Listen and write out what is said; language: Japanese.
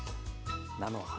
菜の花